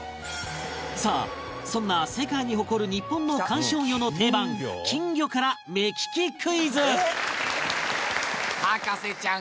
さあそんな世界に誇る日本の観賞魚の定番金魚から目利きクイズはい！